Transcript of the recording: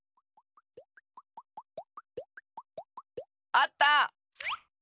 あった！